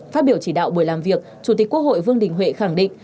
phát biểu chỉ đạo buổi làm việc chủ tịch quốc hội vương đình huệ khẳng định